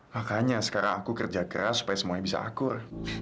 makanya sekarang aku kerja keras supaya semuanya bisa akur